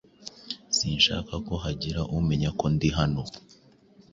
Sinshaka ko hagira umenya ko ndi hano.